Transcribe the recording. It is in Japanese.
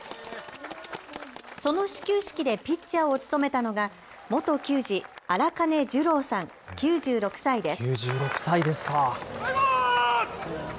その始球式でピッチャーを務めたのが元球児、荒金寿郎さん９６歳です。